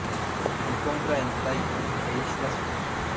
Se encuentra en Tahití e islas Cook.